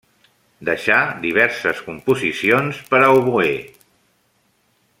Deixà diverses composicions per a oboè.